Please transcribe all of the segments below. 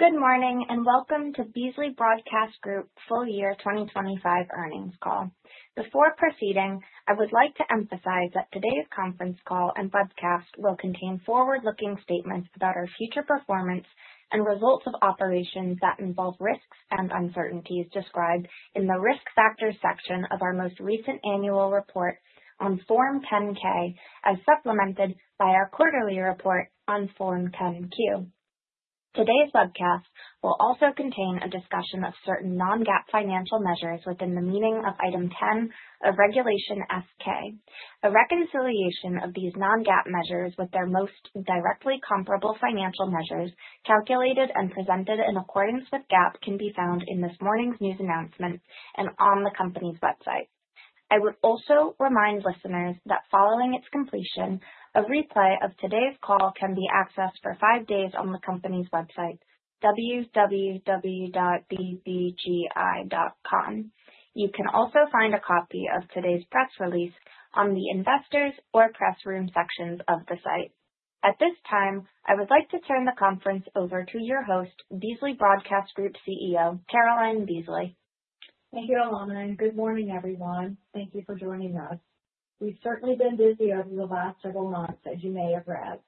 Good morning, and welcome to Beasley Broadcast Group Full Year 2025 Earnings Call. Before proceeding, I would like to emphasize that today's conference call and webcast will contain forward-looking statements about our future performance and results of operations that involve risks and uncertainties described in the Risk Factors section of our most recent annual report on Form 10-K, as supplemented by our quarterly report on Form 10-Q. Today's webcast will also contain a discussion of certain non-GAAP financial measures within the meaning of Item 10 of Regulation S-K. A reconciliation of these non-GAAP measures with their most directly comparable financial measures, calculated and presented in accordance with GAAP, can be found in this morning's news announcement and on the company's website. I would also remind listeners that following its completion, a replay of today's call can be accessed for five days on the company's website, www.bbgi.com. You can also find a copy of today's press release on the Investors or Press Room sections of the site. At this time, I would like to turn the conference over to your host, Beasley Broadcast Group CEO, Caroline Beasley. Thank you, Ilana, and good morning, everyone. Thank you for joining us. We've certainly been busy over the last several months, as you may have read.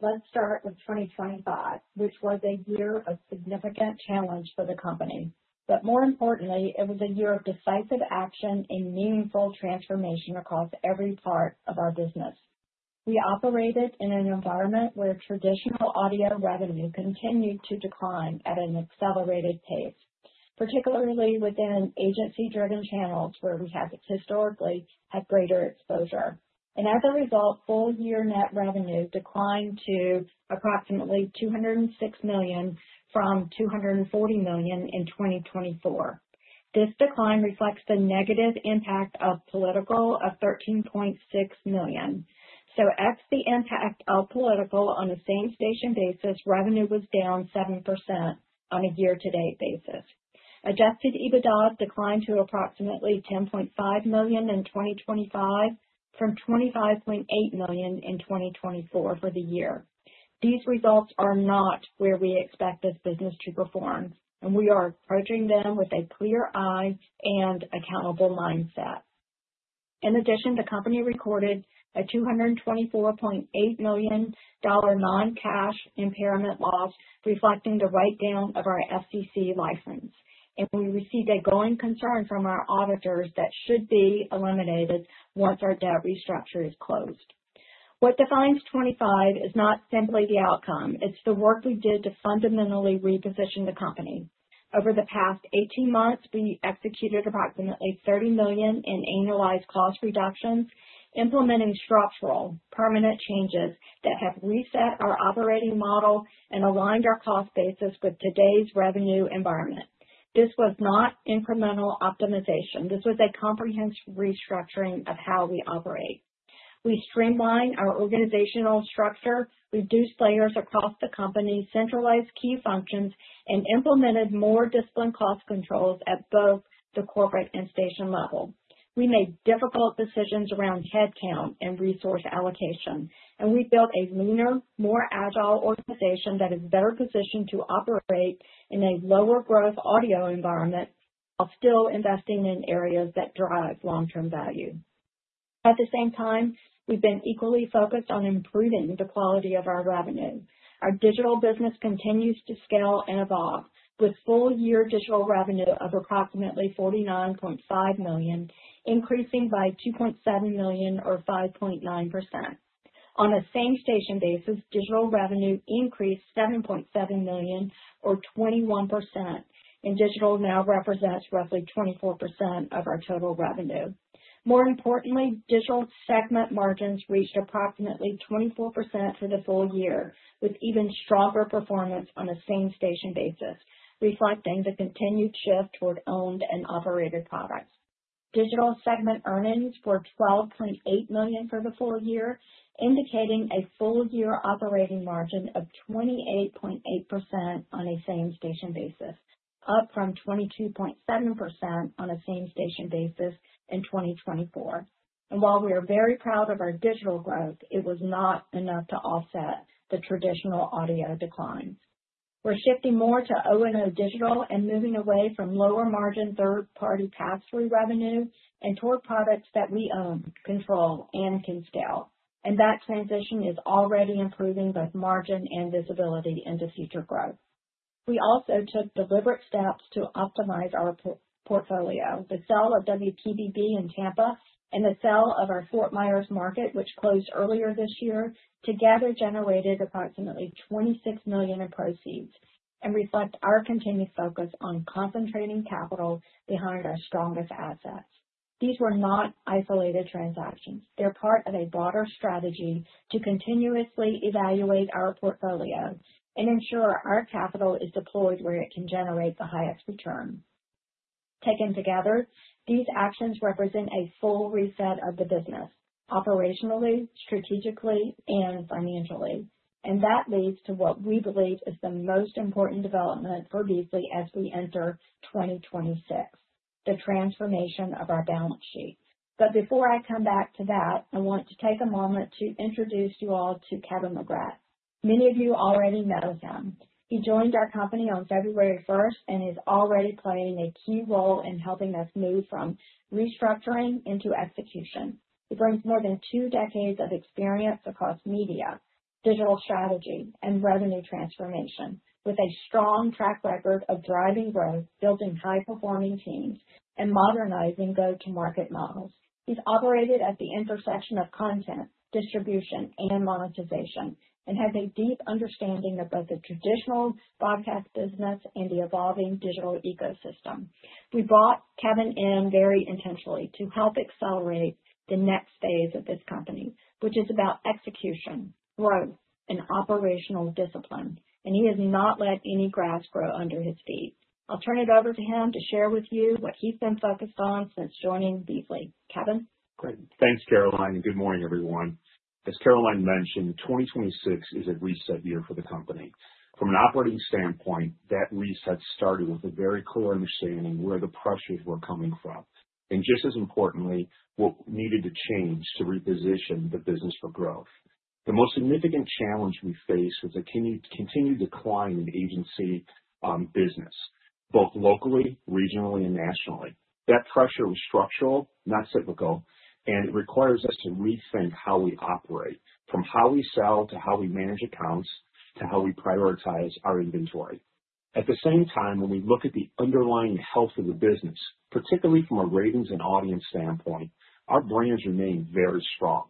Let's start with 2025, which was a year of significant challenge for the company, but more importantly, it was a year of decisive action and meaningful transformation across every part of our business. We operated in an environment where traditional audio revenue continued to decline at an accelerated pace, particularly within agency-driven channels, where we have historically had greater exposure. As a result, full-year net revenue declined to approximately $206 million from $240 million in 2024. This decline reflects the negative impact of political of $13.6 million. Ex the impact of political on a same station basis, revenue was down 7% on a year-to-date basis. Adjusted EBITDA declined to approximately $10.5 million in 2025 from $25.8 million in 2024 for the year. These results are not where we expect this business to perform, and we are approaching them with a clear eye and accountable mindset. In addition, the company recorded a $224.8 million non-cash impairment loss reflecting the write-down of our FCC license, and we received a going concern from our auditors that should be eliminated once our debt restructure is closed. What defines 2025 is not simply the outcome. It's the work we did to fundamentally reposition the company. Over the past 18 months, we executed approximately $30 million in annualized cost reductions, implementing structural, permanent changes that have reset our operating model and aligned our cost basis with today's revenue environment. This was not incremental optimization. This was a comprehensive restructuring of how we operate. We streamlined our organizational structure, reduced layers across the company, centralized key functions, and implemented more disciplined cost controls at both the corporate and station level. We made difficult decisions around headcount and resource allocation, and we built a leaner, more agile organization that is better positioned to operate in a lower growth audio environment while still investing in areas that drive long-term value. At the same time, we've been equally focused on improving the quality of our revenue. Our digital business continues to scale and evolve with full-year digital revenue of approximately $49.5 million, increasing by $2.7 million or 5.9%. On a same-station basis, digital revenue increased $7.7 million or 21%, and digital now represents roughly 24% of our total revenue. More importantly, digital segment margins reached approximately 24% for the full year, with even stronger performance on a same-station basis, reflecting the continued shift toward owned and operated products. Digital segment earnings were $12.8 million for the full year, indicating a full-year operating margin of 28.8% on a same-station basis, up from 22.7% on a same-station basis in 2024. While we are very proud of our digital growth, it was not enough to offset the traditional audio declines. We're shifting more to O&O digital and moving away from lower margin third-party pass-through revenue and toward products that we own, control, and can scale. That transition is already improving both margin and visibility into future growth. We also took deliberate steps to optimize our portfolio. The sale of WPBB in Tampa and the sale of our Fort Myers market, which closed earlier this year, together generated approximately $26 million in proceeds and reflect our continued focus on concentrating capital behind our strongest assets. These were not isolated transactions. They're part of a broader strategy to continuously evaluate our portfolio and ensure our capital is deployed where it can generate the highest return. Taken together, these actions represent a full reset of the business operationally, strategically, and financially, and that leads to what we believe is the most important development for Beasley as we enter 2026, the transformation of our balance sheet. Before I come back to that, I want to take a moment to introduce you all to Kevin McGrath. Many of you already know him. He joined our company on February 1st and is already playing a key role in helping us move from restructuring into execution. He brings more than two decades of experience across media, digital strategy, and revenue transformation with a strong track record of driving growth, building high-performing teams, and modernizing go-to-market models. He's operated at the intersection of content, distribution, and monetization and has a deep understanding of both the traditional broadcast business and the evolving digital ecosystem. We brought Kevin in very intentionally to help accelerate the next phase of this company, which is about execution, growth, and operational discipline. He has not let any grass grow under his feet. I'll turn it over to him to share with you what he's been focused on since joining Beasley. Kevin? Great. Thanks, Caroline, and good morning, everyone. As Caroline mentioned, 2026 is a reset year for the company. From an operating standpoint, that reset started with a very clear understanding where the pressures were coming from, and just as importantly, what needed to change to reposition the business for growth. The most significant challenge we face is the continued decline in agency business, both locally, regionally, and nationally. That pressure was structural, not cyclical, and it requires us to rethink how we operate, from how we sell to how we manage accounts, to how we prioritize our inventory. At the same time, when we look at the underlying health of the business, particularly from a ratings and audience standpoint, our brands remain very strong.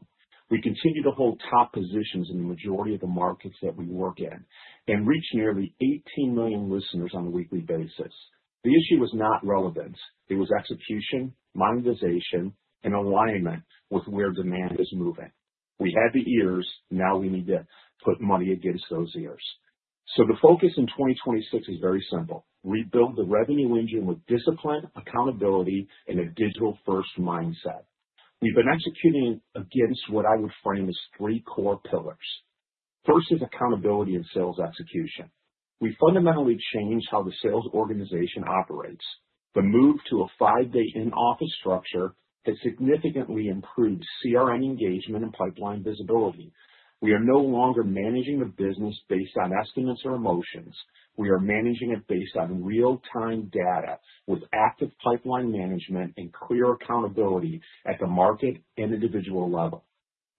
We continue to hold top positions in the majority of the markets that we work in and reach nearly 18 million listeners on a weekly basis. The issue was not relevance, it was execution, monetization, and alignment with where demand is moving. We had the ears. Now we need to put money against those ears. The focus in 2026 is very simple. Rebuild the revenue engine with discipline, accountability, and a digital-first mindset. We've been executing against what I would frame as three core pillars. First is accountability and sales execution. We fundamentally changed how the sales organization operates. The move to a five-day in-office structure has significantly improved CRM engagement and pipeline visibility. We are no longer managing the business based on estimates or emotions. We are managing it based on real-time data with active pipeline management and clear accountability at the market and individual level.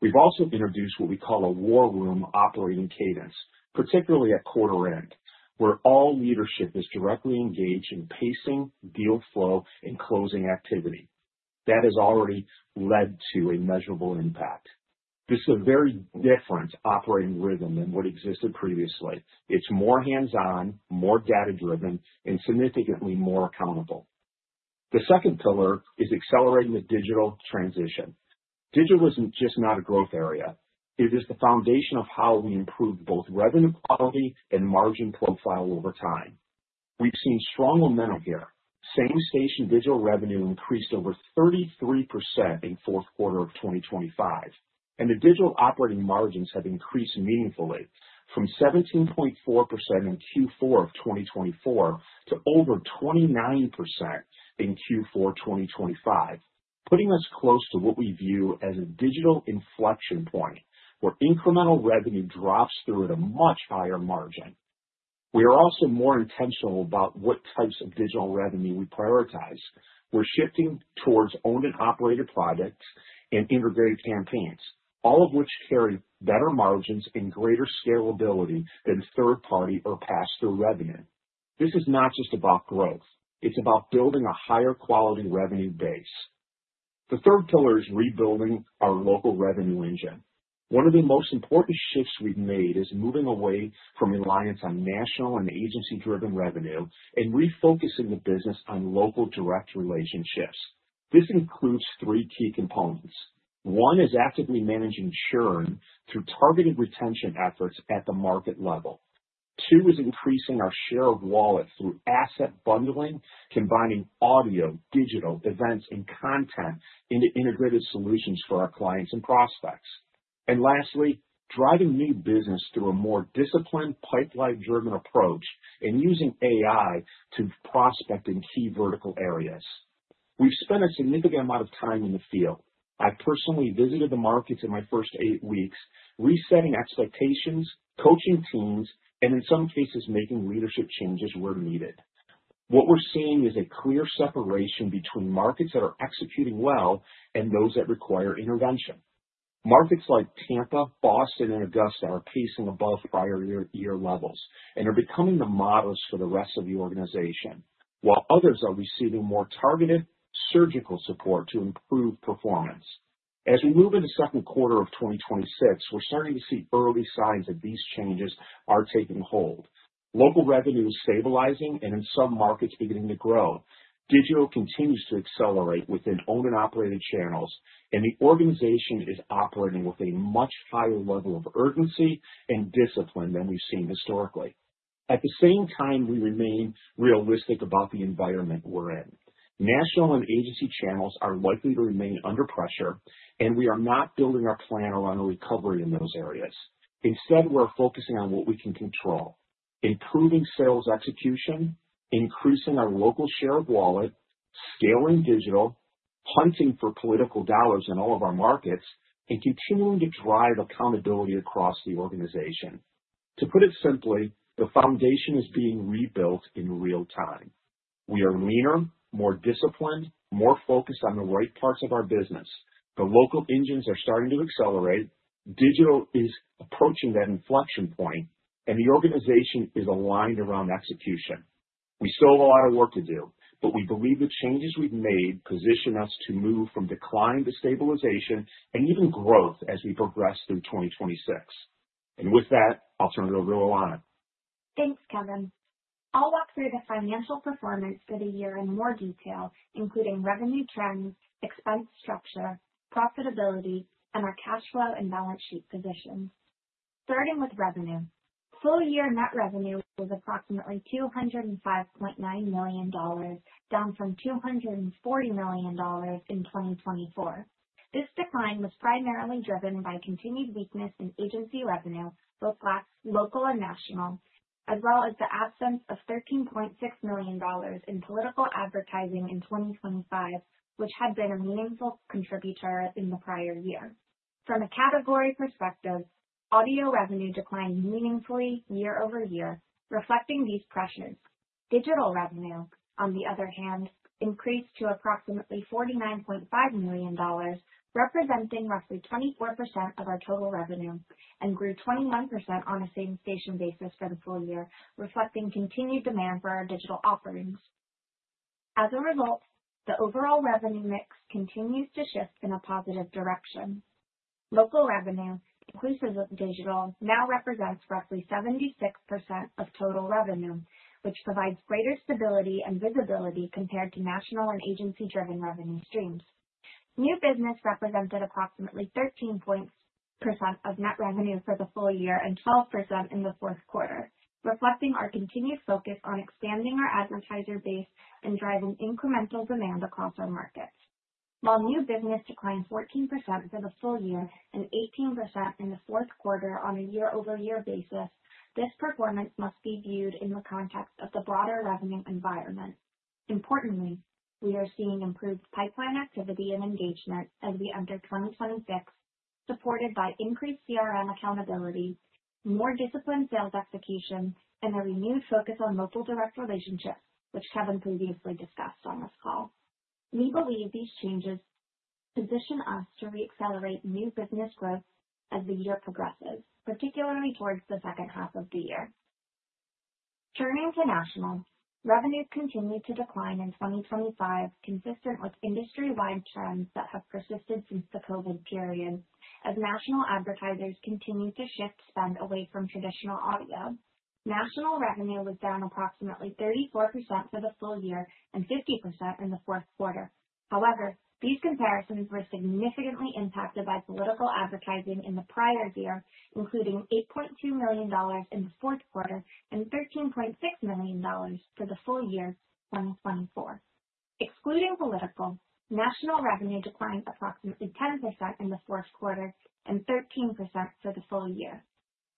We've also introduced what we call a war room operating cadence, particularly at quarter end, where all leadership is directly engaged in pacing deal flow and closing activity. That has already led to a measurable impact. This is a very different operating rhythm than what existed previously. It's more hands-on, more data-driven, and significantly more accountable. The second pillar is accelerating the digital transition. Digital isn't just a growth area. It is the foundation of how we improve both revenue quality and margin profile over time. We've seen strong momentum here. Same-station digital revenue increased over 33% in fourth quarter of 2025, and the digital operating margins have increased meaningfully from 17.4% in Q4 2024 to over 29% in Q4 2025, putting us close to what we view as a digital inflection point where incremental revenue drops through at a much higher margin. We are also more intentional about what types of digital revenue we prioritize. We're shifting towards owned and operated products and integrated campaigns, all of which carry better margins and greater scalability than third-party or pass-through revenue. This is not just about growth, it's about building a higher quality revenue base. The third pillar is rebuilding our local revenue engine. One of the most important shifts we've made is moving away from reliance on national and agency-driven revenue and refocusing the business on local direct relationships. This includes three key components. One is actively managing churn through targeted retention efforts at the market level. Two is increasing our share of wallet through asset bundling, combining audio, digital, events, and content into integrated solutions for our clients and prospects. Lastly, driving new business through a more disciplined pipeline-driven approach and using AI to prospect in key vertical areas. We've spent a significant amount of time in the field. I personally visited the markets in my first eight weeks, resetting expectations, coaching teams, and in some cases, making leadership changes where needed. What we're seeing is a clear separation between markets that are executing well and those that require intervention. Markets like Tampa, Boston, and Augusta are pacing above prior year levels and are becoming the models for the rest of the organization, while others are receiving more targeted surgical support to improve performance. As we move into second quarter of 2026, we're starting to see early signs that these changes are taking hold. Local revenue is stabilizing and in some markets, beginning to grow. Digital continues to accelerate within owned and operated channels, and the organization is operating with a much higher level of urgency and discipline than we've seen historically. At the same time, we remain realistic about the environment we're in. National and agency channels are likely to remain under pressure, and we are not building our plan around a recovery in those areas. Instead, we're focusing on what we can control, improving sales execution, increasing our local share of wallet, scaling digital, hunting for political dollars in all of our markets, and continuing to drive accountability across the organization. To put it simply, the foundation is being rebuilt in real time. We are leaner, more disciplined, more focused on the right parts of our business. The local engines are starting to accelerate, digital is approaching that inflection point, and the organization is aligned around execution. We still have a lot of work to do, but we believe the changes we've made position us to move from decline to stabilization and even growth as we progress through 2026. With that, I'll turn it over to Ilana. Thanks, Kevin. I'll walk through the financial performance for the year in more detail, including revenue trends, expense structure, profitability, and our cash flow and balance sheet position. Starting with revenue. Full year net revenue was approximately $205.9 million, down from $240 million in 2024. This decline was primarily driven by continued weakness in agency revenue, both local and national, as well as the absence of $13.6 million in political advertising in 2025, which had been a meaningful contributor in the prior year. From a category perspective, audio revenue declined meaningfully year over year, reflecting these pressures. Digital revenue, on the other hand, increased to approximately $49.5 million, representing roughly 24% of our total revenue, and grew 21% on a same station basis for the full year, reflecting continued demand for our digital offerings. As a result, the overall revenue mix continues to shift in a positive direction. Local revenue, inclusive of digital, now represents roughly 76% of total revenue, which provides greater stability and visibility compared to national and agency-driven revenue streams. New business represented approximately 13% of net revenue for the full year and 12% in the fourth quarter, reflecting our continued focus on expanding our advertiser base and driving incremental demand across our markets. While new business declined 14% for the full year and 18% in the fourth quarter on a year-over-year basis, this performance must be viewed in the context of the broader revenue environment. Importantly, we are seeing improved pipeline activity and engagement as we enter 2026, supported by increased CRM accountability, more disciplined sales execution, and a renewed focus on local direct relationships, which Kevin previously discussed on this call. We believe these changes position us to reaccelerate new business growth as the year progresses, particularly towards the second half of the year. Turning to national, revenues continued to decline in 2025, consistent with industry-wide trends that have persisted since the COVID period, as national advertisers continued to shift spend away from traditional audio. National revenue was down approximately 34% for the full year and 50% in the fourth quarter. However, these comparisons were significantly impacted by political advertising in the prior year, including $8.2 million in the fourth quarter and $13.6 million for the full year 2024. Excluding political, national revenue declined approximately 10% in the fourth quarter and 13% for the full year,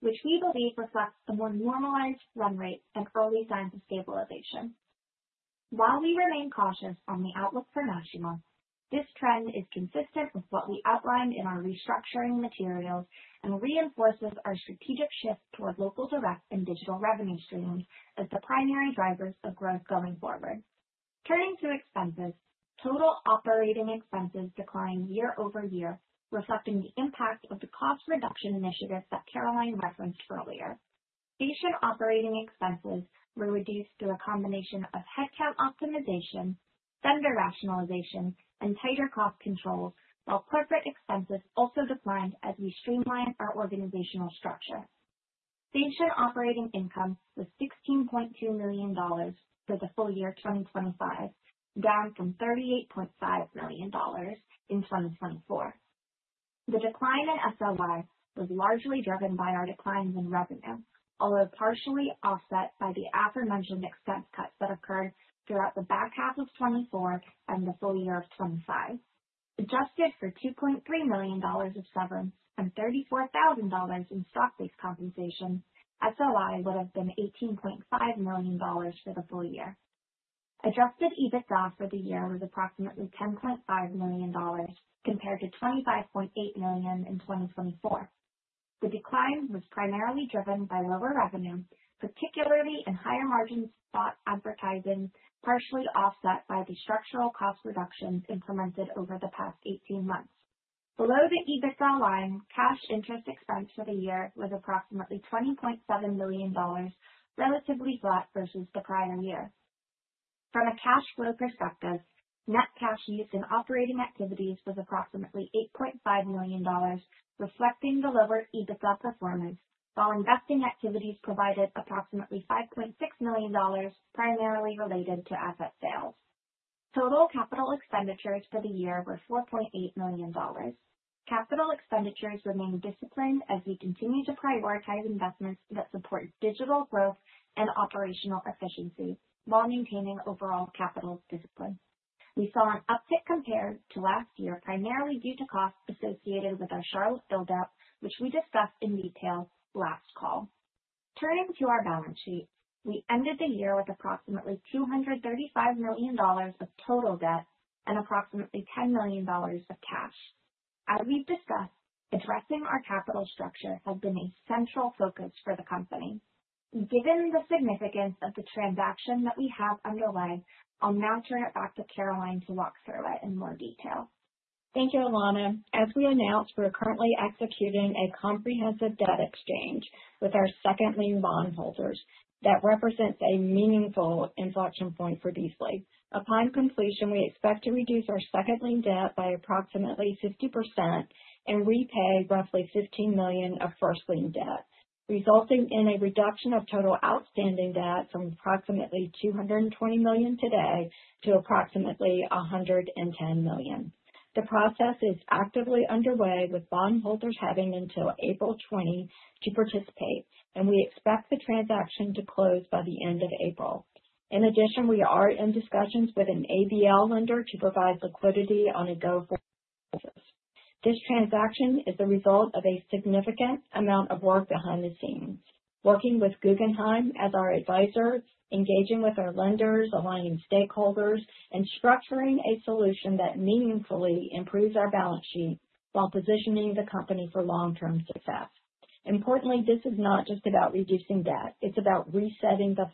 which we believe reflects a more normalized run rate and early signs of stabilization. While we remain cautious on the outlook for national, this trend is consistent with what we outlined in our restructuring materials and reinforces our strategic shift toward local, direct, and digital revenue streams as the primary drivers of growth going forward. Turning to expenses, total operating expenses declined year-over-year, reflecting the impact of the cost reduction initiatives that Caroline referenced earlier. Station operating expenses were reduced through a combination of headcount optimization, vendor rationalization, and tighter cost controls, while corporate expenses also declined as we streamlined our organizational structure. Station operating income was $16.2 million for the full year 2025, down from $38.5 million in 2024. The decline in SOI was largely driven by our declines in revenue, although partially offset by the aforementioned expense cuts that occurred throughout the back half of 2024 and the full year of 2025. Adjusted for $2.3 million of severance and $34,000 in stock-based compensation, SOI would have been $18.5 million for the full year. Adjusted EBITDA for the year was approximately $10.5 million compared to $25.8 million in 2024. The decline was primarily driven by lower revenue, particularly in higher margin spot advertising, partially offset by the structural cost reductions implemented over the past 18 months. Below the EBITDA line, cash interest expense for the year was approximately $20.7 million, relatively flat versus the prior year. From a cash flow perspective, net cash used in operating activities was approximately $8.5 million, reflecting the lower EBITDA performance, while investing activities provided approximately $5.6 million, primarily related to asset sales. Total capital expenditures for the year were $4.8 million. Capital expenditures remain disciplined as we continue to prioritize investments that support digital growth and operational efficiency while maintaining overall capital discipline. We saw an uptick compared to last year, primarily due to costs associated with our Charlotte build-out, which we discussed in detail last call. Turning to our balance sheet. We ended the year with approximately $235 million of total debt and approximately $10 million of cash. As we've discussed, addressing our capital structure has been a central focus for the company. Given the significance of the transaction that we have underway, I'll now turn it back to Caroline to walk through it in more detail. Thank you, Ilana. As we announced, we're currently executing a comprehensive debt exchange with our second lien bond holders that represents a meaningful inflection point for Beasley. Upon completion, we expect to reduce our second lien debt by approximately 50% and repay roughly $15 million of first lien debt, resulting in a reduction of total outstanding debt from approximately $220 million today to approximately $110 million. The process is actively underway, with bond holders having until April 20 to participate, and we expect the transaction to close by the end of April. In addition, we are in discussions with an ABL lender to provide liquidity on a go-forward basis. This transaction is the result of a significant amount of work behind the scenes, working with Guggenheim as our advisor, engaging with our lenders, aligning stakeholders and structuring a solution that meaningfully improves our balance sheet while positioning the company for long-term success. Importantly, this is not just about reducing debt. It's about resetting the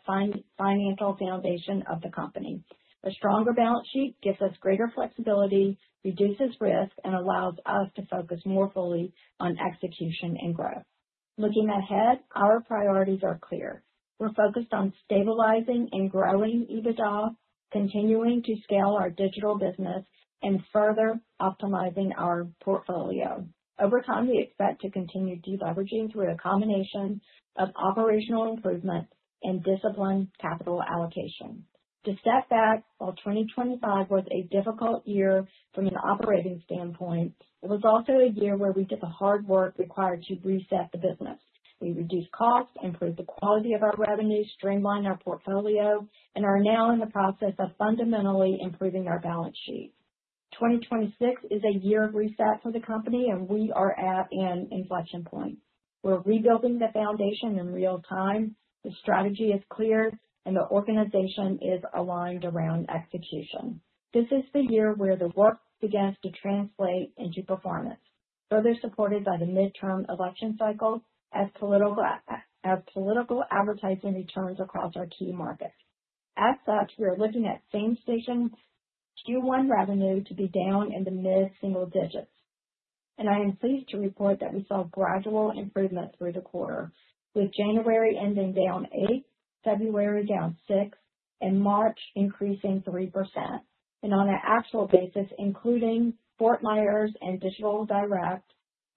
financial foundation of the company. A stronger balance sheet gives us greater flexibility, reduces risk, and allows us to focus more fully on execution and growth. Looking ahead, our priorities are clear. We're focused on stabilizing and growing EBITDA, continuing to scale our digital business, and further optimizing our portfolio. Over time, we expect to continue deleveraging through a combination of operational improvements and disciplined capital allocation. To step back, while 2025 was a difficult year from an operating standpoint, it was also a year where we did the hard work required to reset the business. We reduced costs, improved the quality of our revenue, streamlined our portfolio, and are now in the process of fundamentally improving our balance sheet. 2026 is a year of reset for the company, and we are at an inflection point. We're rebuilding the foundation in real time. The strategy is clear and the organization is aligned around execution. This is the year where the work begins to translate into performance, further supported by the midterm election cycle as political advertising returns across our key markets. As such, we are looking at same station Q1 revenue to be down in the mid-single digits, and I am pleased to report that we saw gradual improvement through the quarter, with January ending down 8%, February down 6%, and March increasing 3%. On an actual basis, including Fort Myers and Digital Direct,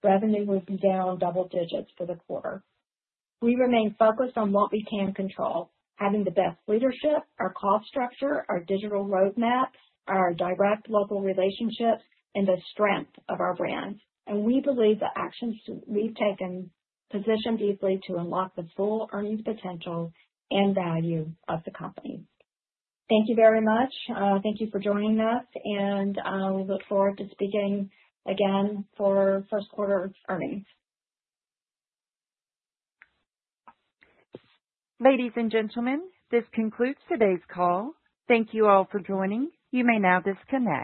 revenue was down double digits for the quarter. We remain focused on what we can control, having the best leadership, our cost structure, our digital roadmap, our direct local relationships, and the strength of our brands. We believe the actions we've taken position Beasley to unlock the full earnings potential and value of the company. Thank you very much. Thank you for joining us, and we look forward to speaking again for first quarter earnings. Ladies and gentlemen, this concludes today's call. Thank you all for joining. You may now disconnect.